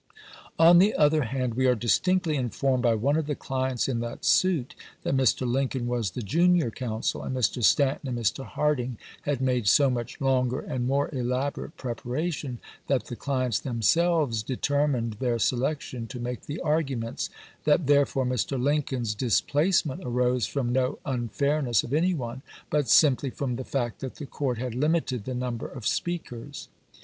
On the other hand we are distinctly informed by one of the clients in that suit that Mr. Lincoln was the junior counsel, and Mr. Stanton and Mr. Harding had made so much longer and more elaborate preparation that the clients themselves determined their selection to make the arguments ; that, therefore, Mr. Lincoln's displacement arose from no unfairness of any one, but simply from the fact that the Court had limited the number of speakers.